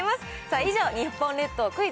以上、日本列島クイズ！